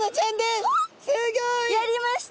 やりました！